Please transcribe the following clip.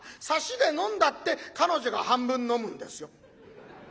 サシで飲んだって彼女が半分飲むんですよ？